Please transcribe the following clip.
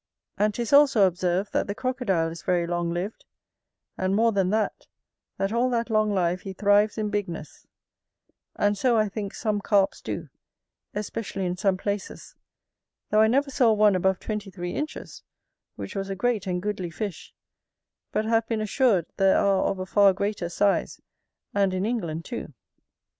And 'tis also observed, that the crocodile is very long lived; and more than that, that all that long life he thrives in bigness; and so I think some Carps do, especially in some places, though I never saw one above twenty three inches, which was a great and goodly fish; but have been assured there are of a far greater size, and in England too.